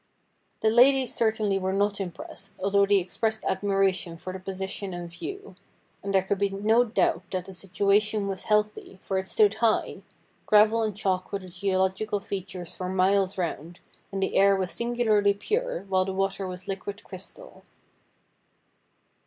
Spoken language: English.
The ladies certainly were not impressed, although they expressed admiration for the position and view ; and there could be no doubt that the situation was healthy, for it stood high ; gravel and chalk were the geological features for miles round, and the air was singularly pure, while the water was liquid crystal.